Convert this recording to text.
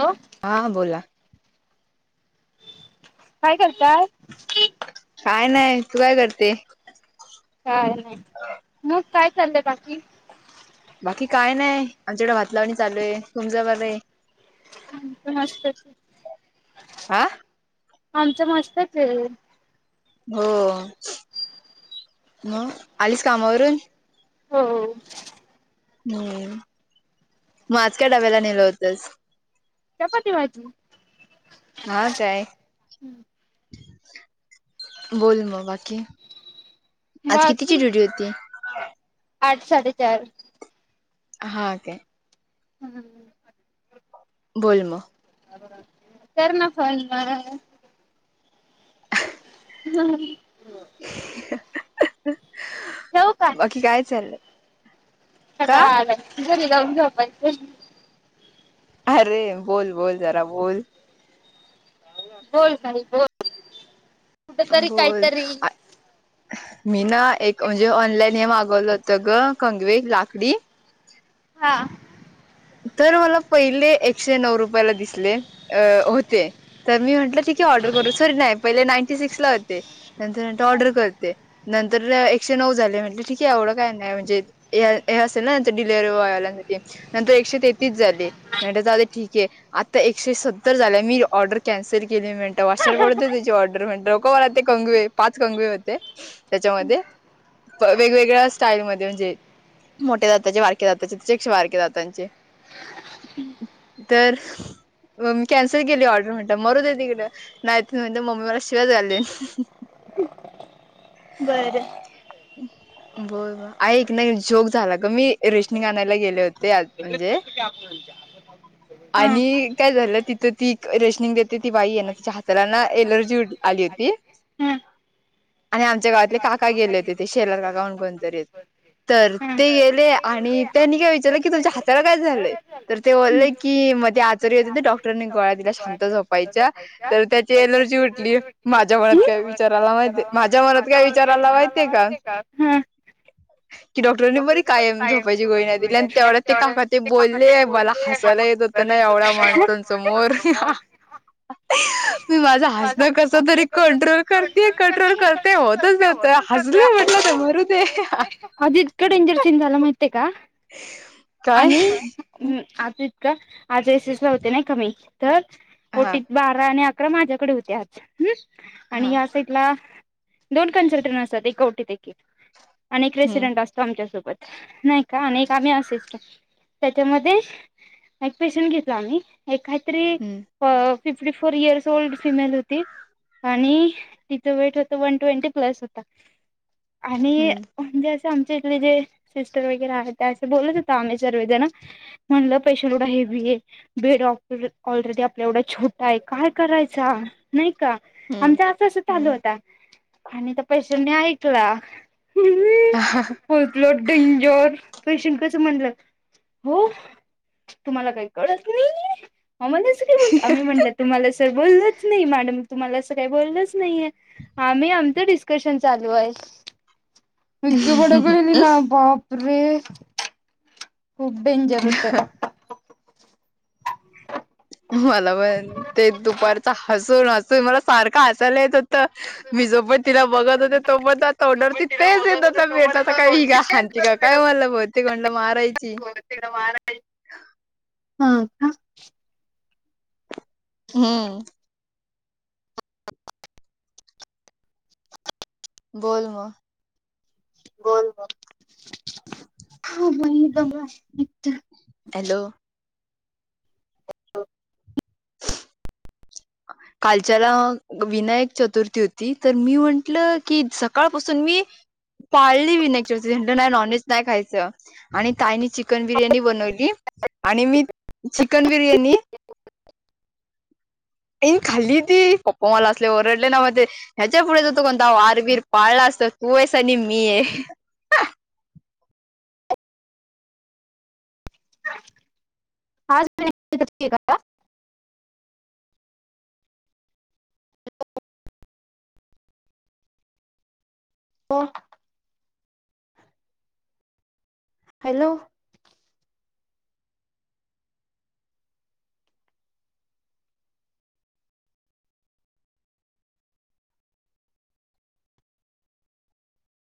हो. हां बोला. काय करताय? काय नाही. तू काय करते? काय नाही. मग काय चाललंय बाकी? बाकी काय नाही. आमच्याकडे भात लावणी चालू आहे. तुमच बर आहे. आमच मस्तच. हा आमचं मस्तच आहे. हो, मग आलीच कामावरून? हो. हम्, मग आज काय डब्याला नेलं होतंस? चपती, भाजी. हा काय. बोल मग. बाकी. आज कितीची बाकी ड्यूटी होती? आठ, साडे चार. हा काय. हम्. बोल मगं. कर मग फोन बरं. हम. का? बाकी काय चाललंय. का कंटाळा आलाय. गोळी खाऊन झोपायच. अरे बोल बोल. जरा बोल. बोल काय बोल. कुठ तरी बोल. काहीतरी मी ना एक म्हणजे ऑनलाईन हे मागवलं हो त. गं कंगवे लाकडी हा. तर मला पहिले एकशे नऊ रुपयाला दिसले होते. तर मी म्हटले, ठीक आहे. ऑर्डर करू सॉरी नाही पहिले नाईंटी सिक्स ला होते नंतर नंतर ऑर्डर करते. नंतर एकशे नऊ झाले म्हणले ठीक आहे एवढं काय नाही म्हणजे हे असेल ना डिलिव्हरी बॉयवाल्यांसाठी नंतर एकशे तेहतीस झाले. म्हटलं जाऊदे ठीक आहे. आता एकशे सत्तर झालंय मी ऑर्डर कॅन्सल केली मी म्हण वा पडत त्याची ऑर्डर म्हणे लोक मला ते कंगुवे पाच कंगवे होते त्याच्यामध्ये वेगवेगळ्या स्टाईल मध्ये म्हणजे मोठ्या जाताचे वारके जाताचे् वारके जाते. त्यांचे तर म मी कॅन्सल केली ऑर्डर म्हणत मरत आहे तिकडे नाहीत म्हणते मम्मी मला शिवाय झाले बरं ब ब ऐक नाही जोक झाला ग मी रोशमी गानायला गेले होते आ म्हणजे हा आणि काय झालं तिथं ती रेशनिंग देते ती बाई आहे ना तिच्या हाताला ना एलर्जी उ आली होती? हा आणि आमच्या गावातले काका गेले होते ते शेलार काका म्हण कोणतरी होत तर हा ते गेले आणि त्यांनी काय विचारलं की तुमच्या हाताारला काय झालंय तर ते बोललेय की मध्ये ते आचोरी होते ते डॉ क्टरांनी गळ्या दिल्या शांत झोपायच्या तर त्याची एलर्जी उठली माझ्या मनात काय विचाराला माहिित माझ्या मनात काय विचारायला माहिितय का की डॉक्टरांनी बरी कायम झोपायची गोळी नाही दिली आणि तेवढ्या ते काका ते बोलले मला हसलं येत हो. नाही एवढ्या माणसां समोर मी माझा ह कस तरी कंट्रोल करते. ्रोल करते होतच ज हजल म्हटलं ते मरुद आजतकं डेंजर चेंज झाला माह आहे का काय आम्ही आज आज एस एस ला होते नाही कमी तर हा ओटीत बारा आणि अकरा माझ्याकडे होते आ ह् हा आणि इथला दोन कन्सल्ट्रं असत एकवटी देील हम्म प्रेसिडेंट असतो आमच्यासोबत नाही का आणि आम्ही अस त्याच्यामध्ये एक पेशन घेतला आम्ही एक काहीतरी, hmm fifty four years old female होती. आणि तिचं वेट होत वन ट्वेंटी प्लस होत आणि हम्म म्हणजे असे आमच्या इथले जे सिस्टर वगैरे ते असे बोलत होत आम्ही सर्वेजण. म्हणलं पैशं कुठांय हेवी हे. बे डऑक्टर ऑलरेडी आपल्या एवढा छोटा आहे काय करायचा. नाही का हम्म आमचं असं असं चालू हम्म. होता आणि त पैशांनी ऐकला ह होतलं डेंजर पेशंट कस म्हटलं हो तुम्हाला काही कळत नाही आम्ही म्हणलं? तुम्हाला अस बोलोच नाही मॅडम तुम्हाला असं काही बोलोंच नाही आहे. आम्ही आमचं डिस्कशन चालू आहे. इतकं बडबडली ना बापरे! खूप डेंजर होत मला पण ते दुपारच हसून हसून मला सारख हसायला येत होत. मी जो पण तिला बघत होते तो पर्यत ओठावरती तेच येत होत काय ही हानती का काय मला बहुतेक मारायची [unintelligible] हा का हम्म बोल म- बोल म [unintelligible] हॅलो कालच्याला विनायक चतुर्थी होती तर मी म्हंटलं की सकाळपासून मी पाळली मी विनायक चतुर्थीला नाही नॉनव्हेज नाही खायचं? आणि ताईनी चिकन बिर्याणी बनवली आणि मी चिकन बिर्याणी [inaudible] ए खाली ती पप्पा मला असले ओरडले नाव ते ह्याच्या पुढेच हो तो कोणता वार बीर पाळला तर तू आहेस आणि मी आहे. आज [unintelligible] कोण? हॅलो!